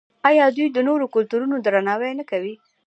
آیا دوی د نورو کلتورونو درناوی نه کوي؟